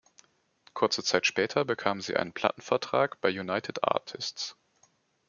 Kurze Zeit später bekamen sie einen Plattenvertrag bei United Artists.